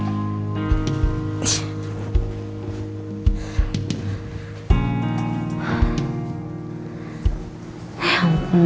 aku sengaja telah berkumpul sama